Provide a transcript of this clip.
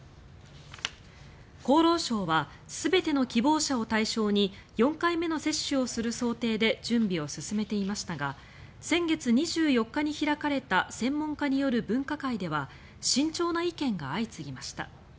厚労省は全ての希望者を対象に４回目の接種をする想定で準備を進めていましたが先月２４日に開かれた専門家による分科会では慎重な意見が相次ぎました。